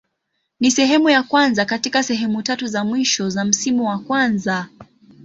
Ni sehemu ya kwanza katika sehemu tatu za mwisho za msimu wa kwanza.